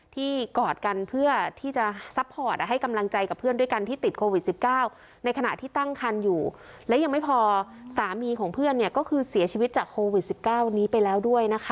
ที่กอดกันเพื่อที่จะซัพพอร์ตให้กำลังใจกับเพื่อนด้วยกันที่ติดโควิด๑๙